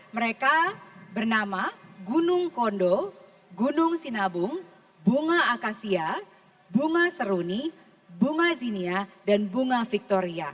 mereka bernama gunung kondo gunung sinabung bunga akasia bunga seruni bunga zinia dan bunga victoria